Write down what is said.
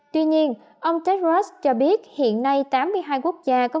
tuy nhiên ông tedros cho biết hiện nay tám mươi hai quốc gia có nguy cơ tiêm chủng